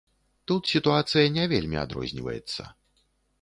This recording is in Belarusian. Тут сітуацыя не вельмі адрозніваецца.